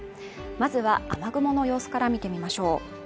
まずは雨雲の様子から見てみましょう